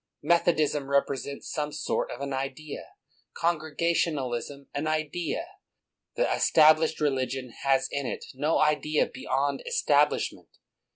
Method ism represents some sort of an idea, Congrega tionalism an idea; the Established Religion has in it no idea beyond establishment.